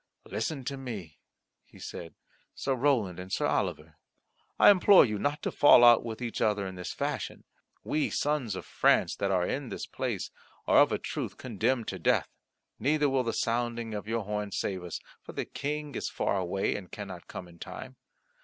"Listen to me," he said, "Sir Roland and Sir Oliver. I implore you not to fall out with each other in this fashion. We, sons of France, that are in this place, are of a truth condemned to death, neither will the sounding of your horn save us, for the King is far away, and cannot come in time.